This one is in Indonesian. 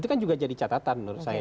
itu kan juga jadi catatan menurut saya